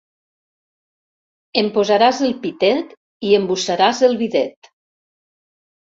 Em posaràs el pitet i embussaràs el bidet.